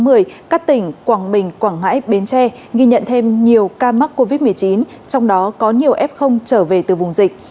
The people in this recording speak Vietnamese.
về ngày một mươi tám tháng một mươi các tỉnh quảng bình quảng hải bến tre ghi nhận thêm nhiều ca mắc covid một mươi chín trong đó có nhiều f trở về từ vùng dịch